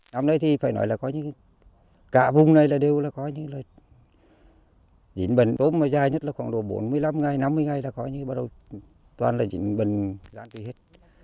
năm nay thì phải nói là có những cả vùng này là đều là có những là dính bẩn tốt mà dài nhất là khoảng độ bốn mươi năm ngày năm mươi ngày là có những bắt đầu toàn là dính bẩn gan tụy hết